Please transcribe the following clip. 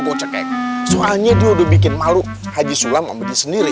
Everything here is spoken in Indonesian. gocek soalnya dia udah bikin malu haji sulam sama dia sendiri